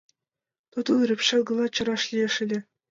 Тудым рӱпшен гына чараш лиеш ыле.